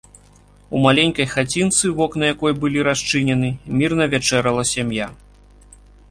У маленькай хацінцы, вокны якой былі расчынены, мірна вячэрала сям'я.